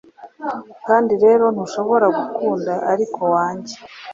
Kandi rero ntushobora gukunda, ariko wange,